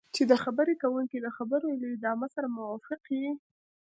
چې د خبرې کوونکي د خبرو له ادامې سره موافق یې.